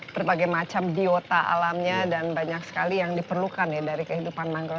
berbagai macam biota alamnya dan banyak sekali yang diperlukan ya dari kehidupan mangrove